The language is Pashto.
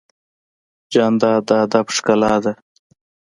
جانداد د ادب ښکلا ده.